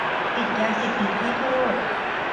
ติดยาเสพติดให้โทษ